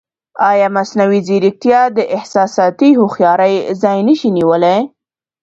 ایا مصنوعي ځیرکتیا د احساساتي هوښیارۍ ځای نه شي نیولی؟